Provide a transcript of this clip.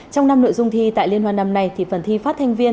trong năm nội dung thi tại liên hoan năm nay thì phần thi phát thanh viên